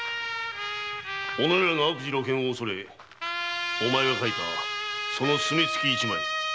おのれらの悪事の露見を恐れお前が書いたその墨つき一枚。